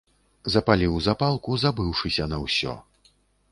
Запаліў запалку, забыўшыся на ўсё.